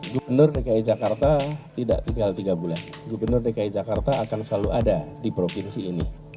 gubernur dki jakarta tidak tinggal tiga bulan gubernur dki jakarta akan selalu ada di provinsi ini